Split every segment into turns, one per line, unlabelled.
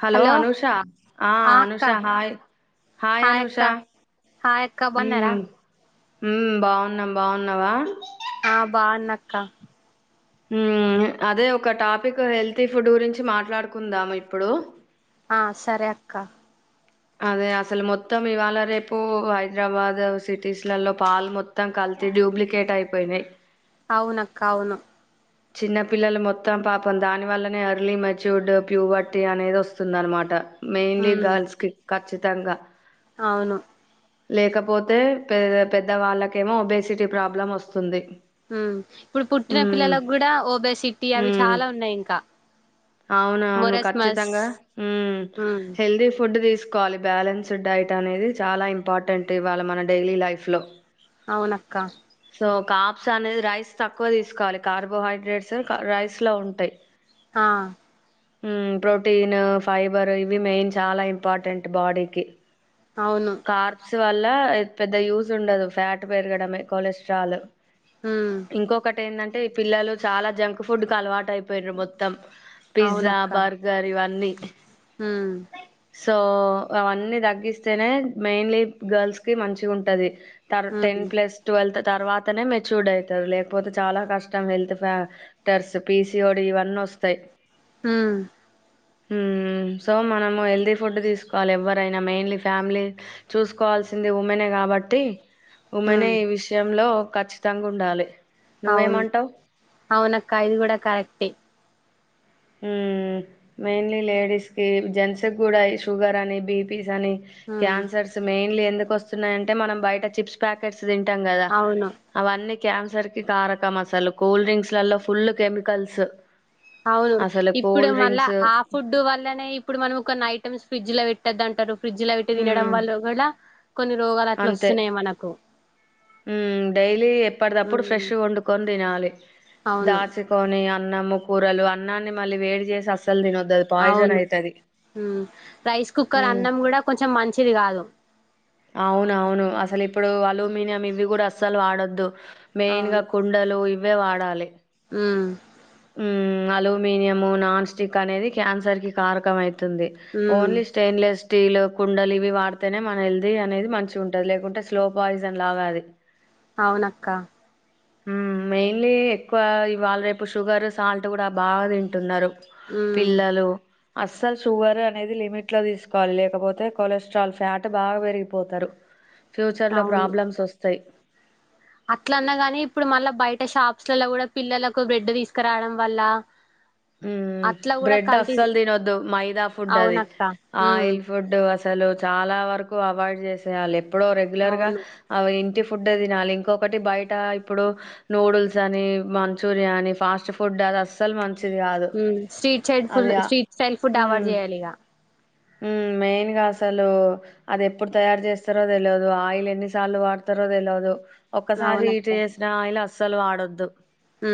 Hello Anusha ఆ Anusha hi hi Anusha
hi అక్క బాగున్నారా
ఉమ్ ఉమ్ బాగున్నాం బాగున్నావా
ఆ బ వున్న అక్క
ఉమ్ అదే ఒక టాపిక్ హెల్తీ ఫుడ్ గురించి మాట్లాడుకుందాం ఇప్పుడు
ఆ సరే అక్క
అదే అసలు మొత్తం ఇవాళ రేపు హైదరాబాద్ సిటీస్లలో, పాలు మొత్తం కల్త డ్యూప్లికేట్ అయిపోయినాయి.
అవునక్క అవును
చిన్న పిల్లలు మొత్తం పాపం దాని వల్లనే ఎర్లీ మెచ్యూర్డ్ ప్యూబిర్ట్ అనేది వస్తుంది అన్నమాట. మెయిన్లీ
ఉమ్
గర్ల్స్కి కచ మతంగా.
అవును.
లేకపోతే, పె పెద్ద వాళ్ళకేమో, ఒబేసిటీ ప్రాబ్లం వస్తుంది.
ఇప్పుడు పుట్టిన పిల్లలకు కూడ
ఉమ్ అవున అవును
మొరస్మస్
ఖచ్చితంగా, ఉమ్
ఉమ్
హెల్దీ ఫుడ్ తీసు. తీసుకోవాలి బ్యాలెన్స్డ్ డైట్ అనేది చాలా ఇంపార్టెంట్ ఇవాళ మన డైలీ లైఫ్ లో.
అవునక్క.
సో కాప్స్ అనేది రైస్ తక్కువ తీసుకోవాలి, కార్బోహై రెస్ క రైస్లో ఉంటాయి.
ఆ.
ఉమ్ ప్రోటీను, ఫైబరు, ఇవి మెయిన్ చాలా ఇంపార్టెంట్, బాడీకి.
అవును.
ఇటీ వల్ల ఏ పెద్ద యూస్ ఉండదు, ఫ్యాట్ పెరగడమే కొలెస్ట్రాలు.
ఉమ్
ఇంకొకటి ఏందన్. అంటే పిల్లలు చాలా జంక్ ఫుడ్ కు అలవాటై పోయింర్రు మొత్తం. పిజ్జా
అవునక్క
బర్గర్ ఇవన్నీ.
ఉమ్
సో అవన్నీ తగ్గిస్తేనే. మెయిన్లీ, గర్ల్స్ కి మంచిగుంటది. తర్వా
ఉమ్
టెన్ ప్లస్, ట్యూవెళ్తూ తర్వాత. అతనే మెచ్యూర్డ్ అయితారు, లేకపోతే చాలా కష్టం, హెల్త్ ప్యా ఫ్యాటర్స్, పిసిఓడ్ ఇవన్నీ నొస్తాయి.
ఉమ్.
ఉమ్ సో మనము హెల్దీ ఫుడ్ తీసుకోవాలి, ఎవ్వరైనా, మెయిన్లీ ఫ్యామిలీ. చూసుకోవాల్సింది, ఉమెనే కాబట్టి. ఉమెనే
ఉమ్
ఈ విషయంలో. ఖచ్చితంగా ఉండాలి.
అవును,
నువ్వేమంటావు
అవున అక్క ఇది కూడా కరెక్టే.
ఉమ్ మెయిన్లీ లేడీస్ కి, జెంట్స్ కూడా, ఇ షుగర్ అని బిపీ. కని,
ఉమ్
క్యాన్సర్స్ మెయిన్ లెని. ఎందుకు వస్తున్నాయంటే, మనం బయట చిప్స్ ప్యాకెట్స్. చీఫ్స్ తింటాం గదా,
అవును
అవన్నీ. క్యాన్సర్ కి కారక మసాలు, కూల్ డ్రింక్స్ లల్లో ఫుల్లు కెమికల్స్.
అవును,
అసలు
ఇప్పుడు
కూల్
మళ్ల,
డ్రింక్స్
ఆ ఫుడ్డు వల్లనే ఇఫ్. ఇప్పుడు మనం కొన్ని ఐటమ్స్, ప్రీజ్ లో పెట్టద్ద అంటారు. ఫ్రిడ్జ్ పెట్టి తినడం
మ్మ్
వల్ల కూడా, కొన్ని రొ. పొగరు అట్లు వొస్తున్నాయి, మనకు.
ఉ డైలీ ఎప్పటికప్పుడు
హ్మ్.
ఫ్రెష్ వండుకొని తినాలి
అవును
దాచుకొని ఆ అన్నము కూరలు అన్నాన్ని మళ్ళీ వేడి చేసి అస్
అవును ఉ రైస్ కుక్కర్
మ్మ్
అన్నం కూడా కొంచెం మంచిది గాదు
అవును అవును అసలు ఇప్ ఇప్పుడు అల్యూమినియం ఇవి కూడా అస్ అసలు వాడవద్దు మెయిన్ గా
అవును
కుండలు ఇవే వాడాలి
ఉమ్
ఉ అలూమినియమ్ నాన్ స్టిక్ అనేది క్యాన్సర్ కి కారకమైంది తుంది
ఉమ్
ఓన్లీ స్టెయిన్లెస్ స్టీల్ కుండలు ఇవి వాడితేనే మన హెల్ అది అనేది మంచిగుంటది లేకుంటే స్లో పాయిజన్ లాగా అది
అవును అక్క
ఉ మెయిన్లీ ఎక్కువ ఇవాళ రేపు షుగర్ సాల్ట్ కూడా బాగా తింటున్నారు
ఉమ్
పిల్లలు అస్సలు షుగర్ అనేది లిమిట్ లో తీసుకోవాలి లేకపోతే కొలెస్ట్రాల్ ఫ్యాట్ బాగా పెరు పెపోతారు ఫ్యూచర్ లో ప్రాబ్లమ్స్ వస్తాయి
అట్ల అన్నా గాని ఇప్పుడు మళ్ళా బయట షాప్స్ లల్లా గుడా పిల్లలకు బ్రెడ్ తీసుకురావడం వల్ల
ఉ
అట్లా కూడా
బ్రెడ్
కల్తీ
అస్సలు దినోద్దు మైదా ఫుడ్ అది
అవునక్క ఉమ్
ఆయిల్ ఫుడ్ అస్ అసలు చాలా వరకు అవాయిడ్ చేసేయాలి ఎ ఎప్పుడో రెగ్యులర్గా
అవును
అవి ఇంటి ఫుడే తినాలి ఇంకొకటి బయట ఇప్పుడు నూడుల్స్ అని మంచూరియా అని ఫాస్ట్ ఫుడ్ అది అస్సలు మన్
ఉ street side full street style food avoid చేయాలి ఇగా
ఉ మెయిన్గా అసలు అది ఎప్పుడు తయారు చేస్తారో తెలువదు ఆయిల్ ఎన్నిసార్లు వాడుతారో తెలువదు ఒక్కసారి
అవునక్క
హీట్ ఏసినా ఆయిల్ అస్ అస్సలు వాడద్దు
ఉ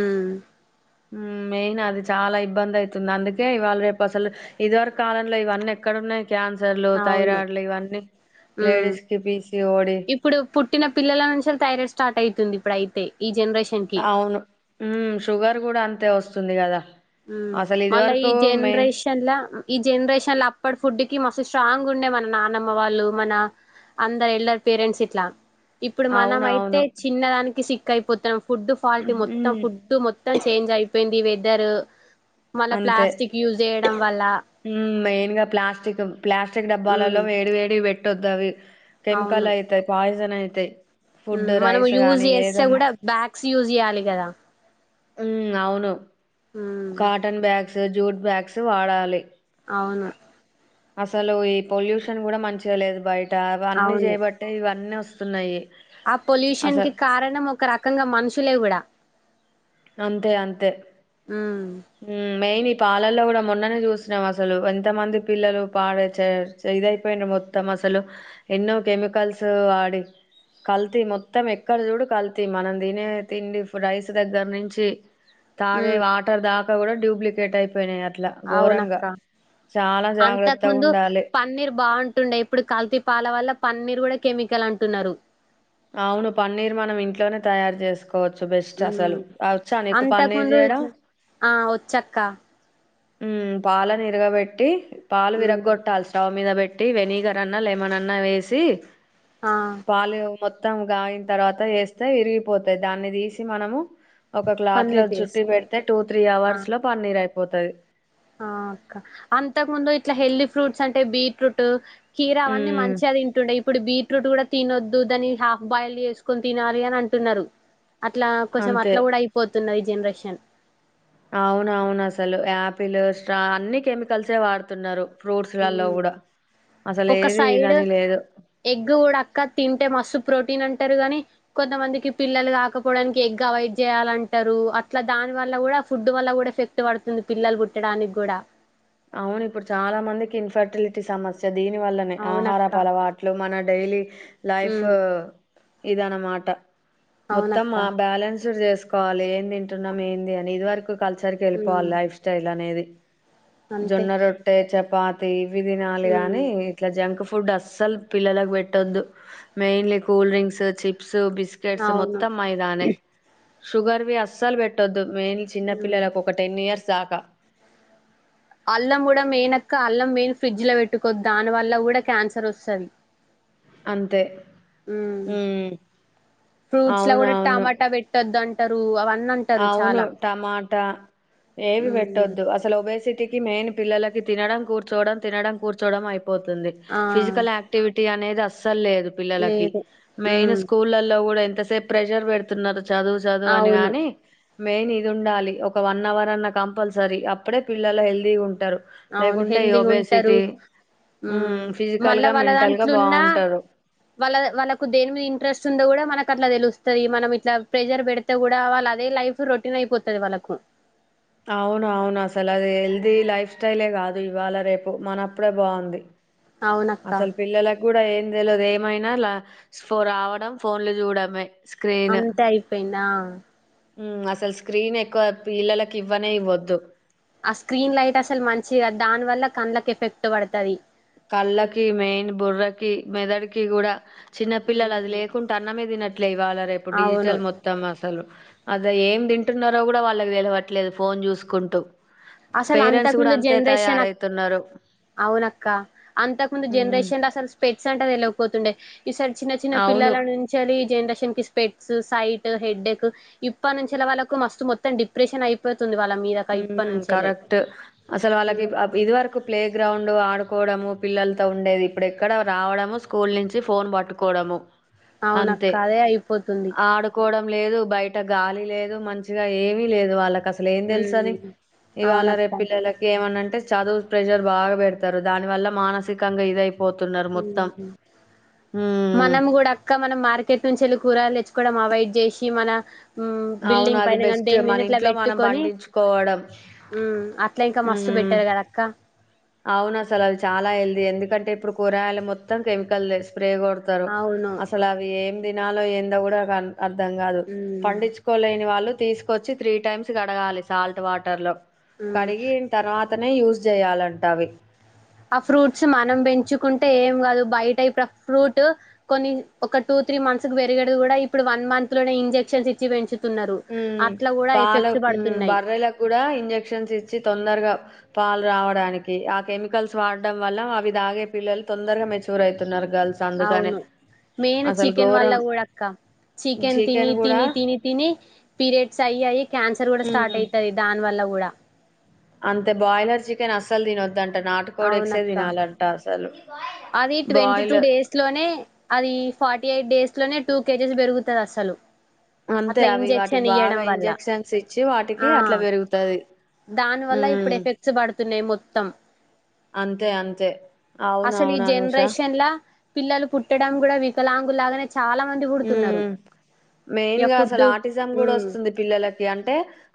ఉ మెయిన్ అది చాలా ఇబ్బంది ఐతుంది అందుకే ఇవాళ రేపు అసలు ఇదివర్ కాలంలో ఇవన్నీ ఎక్కడ ఉన్నాయి క్యాన్సర్లు
అవును
థైరాయిడ్లు ఇవన్నీ
ఉమ్
లేడీస్ కి పీసి ఓడి
ఇప్పుడు పుట్టిన పిల్లల నుంచి థైరాయిడ్ స్టార్ట్ ఐతుంది ఇప్పుడు అయితే ఈ జనరేషన్ కి
అవును ఉ షుగర్ గుడా అంతే వస్తుంది గదా
ఉ మళ్ళా ఈ జెనరేషన్ ల ఈ జెనరేషన్ ల అప్పటి ఫుడ్డి కి మస్తు స్ట్రాంగ్ ఉండే మన నానమ్మ వాళ్ళు మన అందరు ఎల్లరు పేరెంట్స్ ఇట్లా ఇప్పుడు మనం అయితే
అవునవును
చిన్నదానికి సిక్ కై [unintelligible] ఫుడ్ ఫాల్టీ
ఉమ్
మొత్తం ఫుడ్ మొత్తం చేంజ్ అయిపోయింది. ఇద్దరు
అంతే
వల్ల
మెయిన్గా ప్లాస్టిక్ ప్లాస్టిక్
ఉమ్
డబ్బాలలో వేడి వేడి పెట్ పెట్టొదవి కెమికల్
అవును
అయితాయి. పాయిసన్ అయి అంతే
మనం యూజ్ చేస్తే కూడా బ్యాక్ మిక్స్ యూజ్ చేయ్యాలి. కదా
ఉమ్ అవును
ఉమ్
కాటన్ బ్యాగ్ జూట్ బ్యాగ్స్ వాడాలి.
అవును
అసలు ఈ పొల్యూషన్ కూడా మంచిగా లేదు బయట అవన్నీ
అవును
చేయబట్టే ఇవన్నీ వస్ వస్తున్నాయి.
ఆ పొల్యూషన్ కి
అసలు
కారణం ఒక రాక రకంగా మనుషులే కూడా
అంతే అంతే
ఉమ్
హ్మ్ మెయిన్ ఇప్ పాలల్లో కూడా మొన్ననే చూసినం అసలు ఎంతమంది పిల్లలు పాలచే ఇదయి పోయిర్రు మొత్తం అసలు ఎన్నో కెమికల్స్ ఆడి కల్తీ మొత్తం ఎక్కడ చూడు కల్తీ మనం తీనే తిండి రైస్ దగ్గర నుంచి తాగే
ఉమ్
వాటర్ దా కూడా డూప్లికేట్ అయిపోయినాయి. అట్లా ఘోరంగా
అవునక్క
చాలా
అంతకు
జాగ్రత్త
ముందు
ఉండాలి.
పన్నీర్ బాగుంటుండే ఇప్పుడు కల్తీ పాల వల్ల పన్నీరు కూడా కెమికల్ అంటున్నారు.
అవును పన్నీర్ మనం ఇంట్లోనే తయారు చేసుకో
అంతకు
పన్నీర్
ముందు
చేయడం
ఆ వచ్చక్క
ఉమ్ పాలను ఇరగబెట్టి పాలు
ఉమ్
విరగ్ గోట్టాలి స్టవ్ మీద పెట్టి పెట్టి వెనిగర్ అన్నా లెమన్ అన్నా వేసి
ఆ
పాలు మొ మొత్తం గాయిన తర్వాత వేస్తే విరిగిపోతాయి. దాన్ని తీసి మనము ఒక క్లాత్ లో
పన్నీర్
చూట్టి
టేస్ట్
పెడితే టూ త్రీ
ఆ
అవర్స్ లో పన్నీర్ అయితది. పోతావి.
ఆ అక్క అంతకు ముందు ఇట్లా హెల్దీ ఫ్రూట్స్ అంటే బీట్రూట్ కీరా అవన్నీ
ఉమ్
మంచిగా తింటుండేయి ఇప్పుడు బీట్రూట్ కూడా తినొద్దు దాని హాఫ్ బాయిల్ చేసుకొని తినాలి అని అంటున్నారు అట్లా కొంచెం
అంతే
అట్లా కూడా అయిపోతున్నా జెనరేషన్
అవున అవును అసలు ఆపిల్ స్ట్రా అన్ని కెమికల్సే వాడుతున్నారు ఫ్రూట్స్లలో
ఉమ్
కూడా అసలు
ఒక
ఏది
సైడ్
ఇదని లేదు
ఎగ్ ఉడక తింటే మస్సు ప్రోటీన్ అంట ారు కానీ కొంతమందికి పిల్లలు కాకపోవడానికి ఎగ్ అవాయిడ్ చేయాలంటారు అట్లా దాని వల్ల కూడా ఫుడ్ వల్ల కూడా ఎఫెక్ట్ పడుతుంది పిల్లలు పుట్టడానికి కూడా
అవును ఇప్పుడు చాలా మందికి ఇన్ఫర్టిలిటీ సమస్య దీని వల్లనే ఆహార
అవునక్క
అలవాట్లు మన డైలీ లైఫ్
ఉమ్
ఇదన మాట మొత్తం
అవునక్క
ఆ బాలన్స్ చెస్ కోవాలి ఏం తింటున్నాం ఏంది అని ఇది వరకు కల్చర్ క వెళ్ళిపోవాలి
ఉమ్
లైఫ్ స్టైల్ అనేది
అంతే
జొన్న రొట్ట చ పాతే ఇవి తినాలి గాని
ఉమ్
ఇట్లా జంక్ ఫు ఫుడ్ అస్సలు పిల్లలకు పెట్టొద్దు mainly cool drinks chips biscuits
అవును
మొత్తం మైదానే షుగర్ వి అస్సలు పెట్టద్దు మెయిన్ చిన్న
హ్మ్
పిల్లలకు ఒక టెన్ ఇయర్స్ దాకా
అల్లం కూడా మెయినక్క అల్లం మెయిన్ ఫ్రిడ్జ్ లో పెట్టుకోద్దు దాని వల్ల కూడా క్యాన్సర్ వస్సది
అంతే ఉమ్
ఫ్రూట్స్ లో కూడా
అవునవును
టమాటా పెట్టొద్దంటే అవన్
అవును టమాటా ఏవి
హ్మ్
పెట్టొద్దు అసలు ఒబేసిటీ మెయిన్ పిల్లకి తినడం కూర్చోవడం తినడం కూర్చోడం అయి పోతుంది
ఆ
ఫిజికల్ యాక్టివిటీ అనేది అసలు లేదు పిల్లలకి
లేదు
మెయిన్
హ్మ్
స్కూల్లో కూడా ఎంత సేపు ప్రెజర్ పెడుతున్నారు చదువు చదువు అని
అవును
గాని మెయిన్ ఇది ఉండాలి ఒక వన్ అవర్ అన్న కంపల్సరీ అప్పుడే పిల్లల హెల్దీగ ఉంటారు
అవును
లేకుంటే ఈ
హెల్దీగా ఉంటారు
ఒబేసిటీ
ఉమ్
ఫిజికల్
మళ్ళా
గా
వాళ్ళ
మెంటల్ గా
దాంట్లోన్నా
బాగుంటారు
వాళ్ళ వాళ్ళకు దేని మీద ఇంట్రెస్ట్ ఉందో కూడా మన కఅట్లా తెలుస్తది మనం ఇట్లా ప్రెజర్ పెడితే కూడా వాళ్ళు అదే లైఫ్ రొటీన్ అయిపోతుది వాళ్ళకు
అవును అవును అసలు అది హల్ది
హ్మ్.
లైఫ్ స్టైలే కాదు ఇవాళ రేపు మనప్పుడే బాగుంది
అవునక్క
అసల్ పిల్లలకు కూడా ఏది ల్లలు ఏమైనా ల ఫోన్లు రావడం ఫోన్లు చూడమే [inaudible]
అంతే అయిపోయిందా అ
ఉమ్ అసలు స్క్రీన్ ఎక్కువ పిల్లలకి ఇవ్వనే ఇవ్వొద్దు
ఆ స్క్రీన్ లైట్ అసలు మంచిగా దాని వల్ల కండ్లకి ఎఫెక్ట్ పడుతుది
కళ్ళకి మెయిన్ బుర్రకి మెదడుకి కూడా చిన్న పిల్లలు అది లేకుంటే అన్నమే తినట్లే ఇవాళ రేపు
అవును
డిజిటల్ మొత్తం అసలు అద ఏం తింటున్నారో కూడా వాళ్ళకి తెలవట్లేదు ఫోన్ చూసుకుంటూ
అసలు
పేరెంట్స్
అంతకు
కూడా
ముందు
అంతే
జనరేషన్ అక్
తయారవుతున్నారు
అవునక్క అంతకు ముందు
ఉమ్,
జనరేషన్ లో అసలు స్పెట్స్ అంటె తెల్వది క్ పోతుండే ఈసారి చిన్న చిన్న
అవును
పిల్లల నుంచిలి జనరేషన్ స్పెక్ట్స్ సైట్ హెడేక్ ఇప్పటి నుంచెలే వాళ్ళకు మస్తు మొత్తం డిప్రెషన్ అయిపో స్తుంది వాళ్ళ మీదక ఇప్పటి
హ్మ్.
నుంచి
కరెక్ట్ అసలు వాళ్ళకి ఆ ఇది వరకు ప్లే గ్రౌండ్ ఆడు డ్కోవడం పిల్లలతో ఉండేది ఇప్పుడు ఎక్కడ రావడము స్కూల్ నుంచి ఫోన్ పట్టుకోవడము
అవునక్క
అంతే.
అదే అయిపోతుంది
ఆడుకోవడం లేదు బయట గాలి లేదు మంచిగా ఏమీ లేదు వాళ్ళకి అసలు ఏం తెలుసు ని
ఉమ్
ఇవాళ
అవునక్క
రేపు పిల్లలకి ఏమన్న అంటే చదువు ప్రెషర్ బాగా పెడతరు దాని వల్ల మానసికంగా ఇదయి
హుమ్
హ్మ్.
మనం కూడా అక్క మనం మార్కెట్ నుంచెలి కూరలు తెచ్చుకోవడం అవాయిడ్ చేసి మన ఉమ్
అవును.
బిల్డింగ్
అది
పైన కానీ
బెస్ట్.
దేని మీద
మన
ఇట్లా
ఇంట్లో మనం
పెట్టుకొని
పండించుకోవడం.
ఉమ్ అట్లా ఇంకా మస్తు
హ్మ్.
బెట్టరు కదక్క
అవును అసలు అది చాలా హెల్దీ ఎందుకంటే ఇప్పుడు కూరగాయలు మొత్తం కెమికల్ వేస్తు స్ప్రే కొడతరు
అవును
అసలు అవి ఏం తినాలో ఎందొ కూడా కాన్ అర్థం కాదు
మ్మ్
పండించుకోలేని వాళ్ళు తీసుకు వచ్చి త్రీ టైమ్స్ కడగాలి సాల్ట్ వాటర్ లో
మ్మ్
కడిగిన తర్వాత అట్లనే యూజ్ చేయాలంట్ తావి
ఆ ఫ్రూట్స్ మనం పెంచుకుంటే ఏం కాదు బయటైపు ఆ ఫ్రూట్ కొన్ని ఒక టూ త్రీ మంత్స్ కు పెరిగడం కూడా ఇప్పుడు వన్ మంత్ లోనే ఇంజెక్షన్స్ ఇచ్చి పెంచు
ఉ పాల
పడుతున్నాయి
బర్రలకు కూడా ఇంజక్షన్స్ ఇచ్చి తొందరగా పాలు రావడానికి ఆ కెమికల్స్ వాడడం వల్ల అవి తాగే పిల్లలు తొందరగా మెచ్యూర్ అవుతున్నారు, గర్ల్స్ అందుకనే
అవును మెయిన్
అసలు
చికెన్ వల్ల
ఘోరం
కూడా అక్క చికెన్ తిని తిని తిని తిని, పీరియడ్స్ అయి అయ్యి క్యాన్సర్ కూడా స్టార్ట్
ఉమ్
అవుతది దాని వల్ల కూడా
అంతే బాయిలర్ చికెన్ అసలు తిన వద్దంట నాటుకోడి
అవున
ఎగ్సే
అక్క
తినాలంట
అది ట్వంటీ టూ
బాయిలర్
డేస్ లోనే అది ఫార్టీ ఎయిట్ డేస్ అట్లోనే టూ కేజీస్ పెరుగుతాది అసలు,
అంతే
అట్లా
అవి వాటికి
ఇంజెక్షన్
బాగా
ఇయడం వల్ల
ఇంజెక్షన్స్ ఇచ్చి వాటికి
ఆ
అట్లా పెరుగుతది
దానివల్ల ఇప్పుడు
ఉమ్
ఎఫెక్ట్స్ పడుతున్నాయి మొత్తం,
అంతే అంతే అవును
అసలు ఈ
అవును అనూష
జనరేషన్ లా పిల్లలు పుట్టడం కూడా వికలాంగులాగానే, చాలా మంది
ఉ
పుడుతున్నారు
మెయిన్
ఇగ
గా
ఫుడ్
అసలు ఆర్టిజం కూడా
ఉమ్
వస్తుంది పిల్లలకి అంటే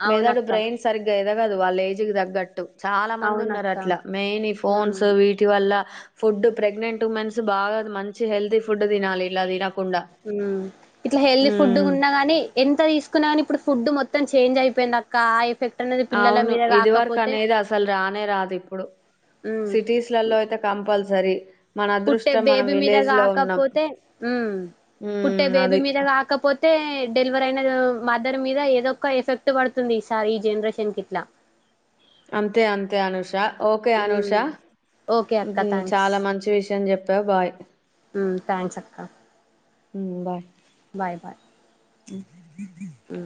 మెదాడు
అవునక్క
బ్రెయిన్ సరిగ్గా ఎదగదు వాళ్ళ ఏజ్ ఏజ్ కి తగ్గట్టు చాలా మంది ఉన్నారు
అవునక్క
అట్లా మెయిన్
ఉమ్
ఫోన్స్ వీటి వల్ల ఫుడ్ ప్రెగ్నెంట్ ఉమెన్స్ బాగా మంచి హెల్తీ ఫుడ్ తినాలి ఇలా తినకుండా,
హు ఇట్లా హెల్దీ ఫుడ్
ఉమ్
ఉన్నా గాని ఎంత తీసుకున్నా గాని ఇప్పుడు, ఫుడ్ మొత్తం చేంజ్ అయిపోయింది అక్క ఆ ఎఫెక్ట్ అనేది పిల్లల
అవును
మీద
ఇది వరకు
కాకపోతే
అనేది అసలు రానే రాదు ఇప్పుడు
హ్మ్
సిటీస్లలో అయితే కంపల్సరీ, మన
పుట్టే
అదృష్టం మనం
బేబీ మీద
విలేజ్ లో ఉన్నాం
గాకపోతే పుట్టే
ఉమ్
బేబీ
అది
మీద గాకపోతే, డెలివర్ అయిన మదర్ మీద ఏదో ఒక ఎఫెక్ట్ పడుతుంది ఈసారి ఈ జనరేషన్ కి ఇట్లా,
అంతే అంతే అనష ఓకే అనూష
హ్మ్ ఓకే అక్క థ్యాంక్స్
చాలా మంచి విషయం చెప బాయ్
థ్యాంక్స్ అక్క
బాయ్
బాయ్ బాయ్
హు
హు